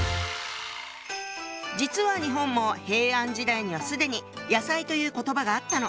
実は日本も平安時代には既に「野菜」という言葉があったの。